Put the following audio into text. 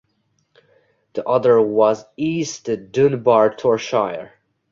The other was East Dunbartonshire.